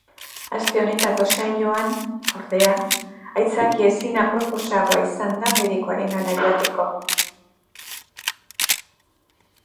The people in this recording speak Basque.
Aste honetako saioan, ordea, aitzakia ezin aproposagoa izan da medikuarengana joateko.